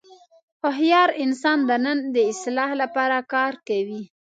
هوښیار انسان د نن د اصلاح لپاره کار کوي.